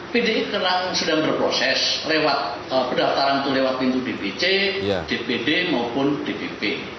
pdi sekarang sedang berproses lewat pendaftaran itu lewat pintu dpc dpd maupun dpp